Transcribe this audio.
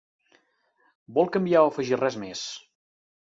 Vol canviar o afegir res més?